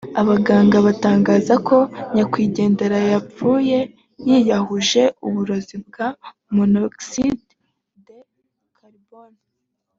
abaganga batangaje ko nyakwigendera yapfuye yiyahuje uburozi bwa monoxide de carbone